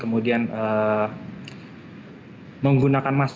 kemudian menggunakan masker di